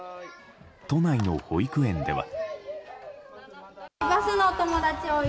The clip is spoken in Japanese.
都内の保育園では。